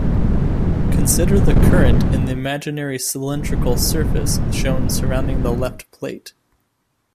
Consider the current in the imaginary cylindrical surface shown surrounding the left plate.